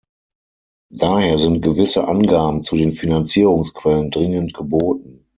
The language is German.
Daher sind gewisse Angaben zu den Finanzierungsquellen dringend geboten.